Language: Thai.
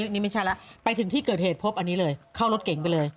นี่ไม่ใช่แล้วไปถึงที่เกิดเหตุพบอันนี้เลยเข้ารถเก๋งไปเลย